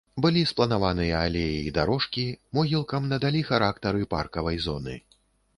Былі спланаваныя алеі і дарожкі, могілкам надалі характары паркавай зоны.